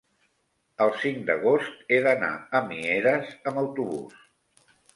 el cinc d'agost he d'anar a Mieres amb autobús.